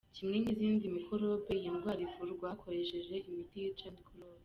Kimwe nk’izindi mikorobe, iyi ndwara ivurwa hakoreshejwe imiti yica mikorobe.